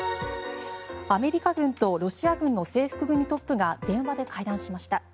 アメリカ軍とロシア軍の制服組トップが電話で会談しました。